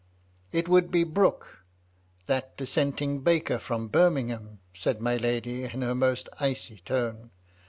"It would be Brooke, that dissenting baker from Birmingham," said my lady in her most icy tone.